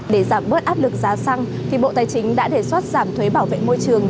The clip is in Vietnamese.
để giảm bớt áp lực giá xăng bộ tài chính đã đề xuất giảm thuế bảo vệ môi trường